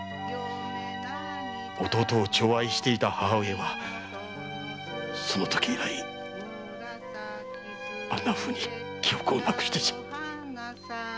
弟を寵愛していた母上はその時以来あんなふうに記憶をなくしてしまった。